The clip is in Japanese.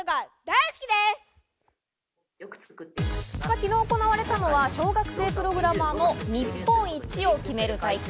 昨日、行われたのは小学生プログラマーの日本一を決める大会。